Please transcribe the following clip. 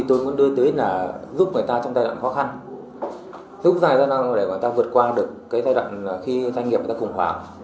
cái mục đích là giúp người ta trong giai đoạn khó khăn giúp giai đoạn để người ta vượt qua được cái giai đoạn khi doanh nghiệp người ta khủng hoảng